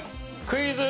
クイズ。